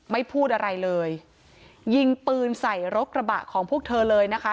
ไม่พูดอะไรเลยยิงปืนใส่รถกระบะของพวกเธอเลยนะคะ